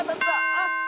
あっ！